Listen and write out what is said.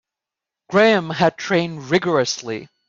Graham had trained rigourously.